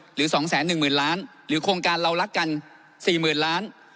หรือ๒แสน๑หมื่นล้านหรือโครงการเรารักกัน๔หมื่นล้าน